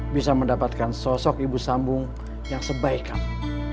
bisa mendapatkan sosok ibu sambung yang sebaik kami